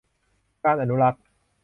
การอนุรักษ์